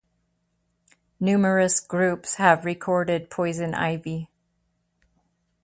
Numerous groups have recorded "Poison Ivy".